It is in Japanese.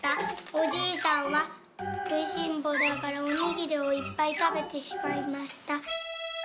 おじいさんはくいしんぼうだからおにぎりをいっぱいたべてしまいました」。